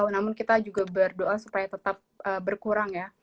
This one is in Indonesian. namun kita juga berdoa supaya tetap berkurang ya